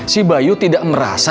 si bayu tidak merasa